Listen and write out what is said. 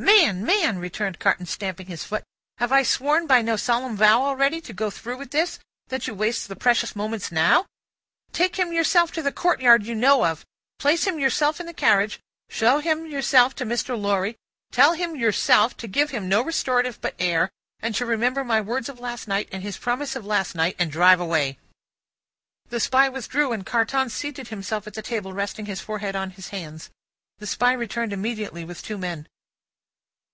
"Man, man!" returned Carton, stamping his foot; "have I sworn by no solemn vow already, to go through with this, that you waste the precious moments now? Take him yourself to the courtyard you know of, place him yourself in the carriage, show him yourself to Mr. Lorry, tell him yourself to give him no restorative but air, and to remember my words of last night, and his promise of last night, and drive away!" The Spy withdrew, and Carton seated himself at the table, resting his forehead on his hands. The Spy returned immediately, with two men.